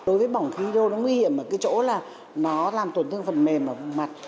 đối với bỏng hero nó nguy hiểm ở cái chỗ là nó làm tổn thương phần mềm ở mặt